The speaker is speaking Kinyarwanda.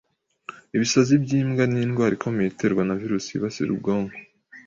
Ibisazi by’imbwa ni indwara ikomeye iterwa na virusi yibasira ubwonko